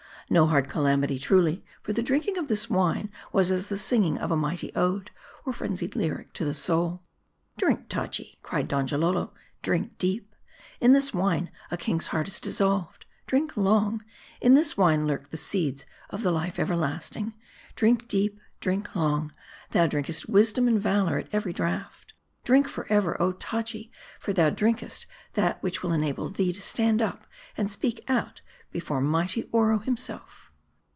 No hard calamity, truly ; for the drinking of this wine was as the singing of a mighty ode, or frenzied lyric to the soul. "Drink, Taji," cried Donjalolo, " drink deep. In this wine a king's heart is dissolved. Drink long ; in this wine lurk the seeds of the life everlasting Drink deep : drink M A R D I. 299 long : thou drinkest wisdom and valor at every draught. Drink forever, oh Taji, for thou drinkest that which will enable thee to stand up and speak out before mighty Oro himself."